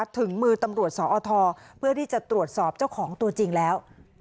ถึงมือตำรวจสอทเพื่อที่จะตรวจสอบเจ้าของตัวจริงแล้ว